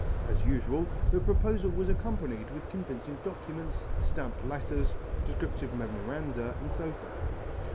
As usual the proposal was accompanied with convincing documents, stamped letters, descriptive memoranda and so forth.